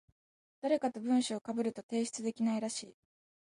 誰かと文章被ると提出できないらしい。